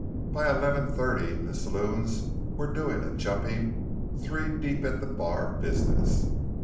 By eleven thirty the saloons were doing a jumping, three deep at the bar business.